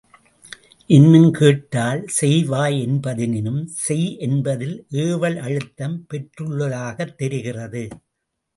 இன்னும் கேட்டால், செய்வாய் என்பதனினும் செய் என்பதில், ஏவல் அழுத்தம் பெற்றுள்ளதாகத் தெரிகிறது.